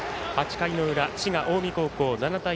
８回の裏、滋賀、近江高校７対６。